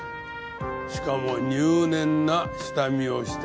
しかも入念な下見をしてな。